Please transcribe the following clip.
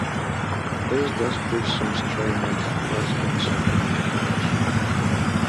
This does put some strain on the residents of the Galapagos.